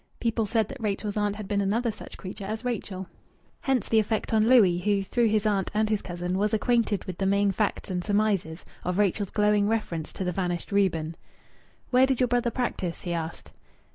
People said that Rachel's aunt had been another such creature as Rachel. Hence the effect on Louis, who, through his aunt and his cousin, was acquainted with the main facts and surmises, of Rachel's glowing reference to the vanished Reuben. "Where did your brother practise?" he asked.